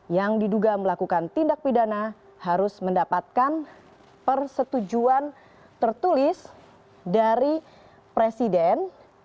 yang diduga melakukan tindak pidana harus mendapatkan persetujuan tertulis dari presiden